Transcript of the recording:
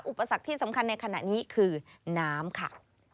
อุปสรรคที่สำคัญในขณะนี้คือน้ำค่ะ